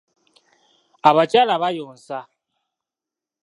Abakyala bayonsa.